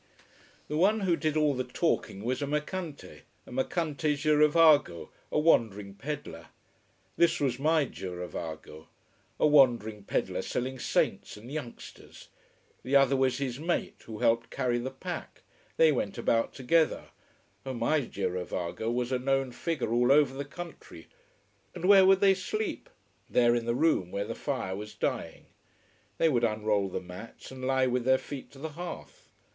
The one who did all the talking was a mercante, a mercante girovago, a wandering peddler. This was my girovago: a wandering peddler selling saints and youngsters! The other was his mate, who helped carry the pack. They went about together. Oh, my girovago was a known figure all over the country. And where would they sleep? There, in the room where the fire was dying. They would unroll the mats and lie with their feet to the hearth.